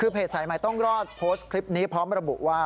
เพจไสมายต้องรอดโพสต์คลิปนี้พร้อมระบุว่า